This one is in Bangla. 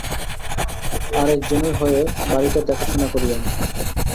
আরেকজনের হয়ে বাড়িটা দেখাশোনা করি আমি।